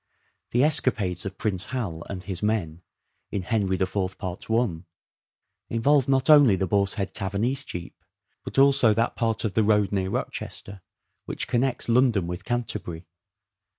The escapades of Prince a ven Hal and his men, in " Henry IV," part i, involve not only the Boar's Head Tavern, Eastcheap, but also that part of the road near Rochester which connects London with Canterbury.